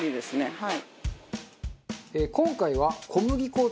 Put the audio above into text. はい。